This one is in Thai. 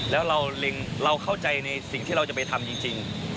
แล้วเราเข้าใจในสิ่งที่เราจะไปทำจริง